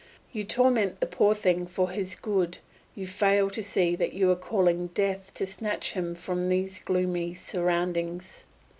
You torment the poor thing for his good; you fail to see that you are calling Death to snatch him from these gloomy surroundings.